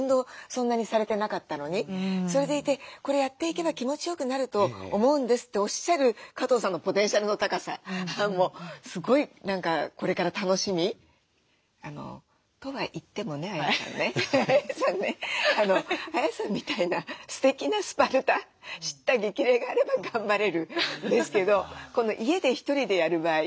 そんなにされてなかったのにそれでいて「これやっていけば気持ちよくなると思うんです」っておっしゃる加藤さんのポテンシャルの高さすごい何かこれから楽しみ。とは言ってもねＡＹＡさんねＡＹＡさんみたいなすてきなスパルタ叱咤激励があれば頑張れるんですけど家で１人でやる場合